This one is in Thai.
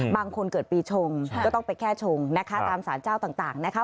บางคนเกิดปีชงก็ต้องไปแก้ชงนะคะตามสารเจ้าต่างนะคะ